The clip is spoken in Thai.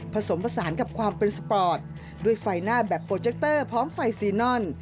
ผสมผสานกับความเป็นสปอร์ตด้วยไฟหน้าแบบโปรเจคเตอร์พร้อมไฟซีนอน